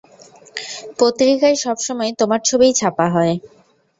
পত্রিকায় সবসময় তোমার ছবিই ছাপা হয়।